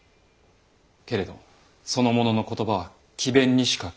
けれどその者の言葉は詭弁にしか聞こえず。